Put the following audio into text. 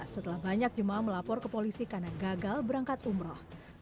setelah banyak jemaah melapor ke polisi karena gagal berangkat umroh